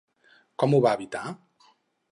Com ho va evitar?